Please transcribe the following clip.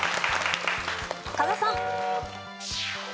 加賀さん。